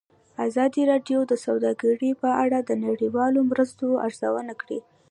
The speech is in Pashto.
ازادي راډیو د سوداګري په اړه د نړیوالو مرستو ارزونه کړې.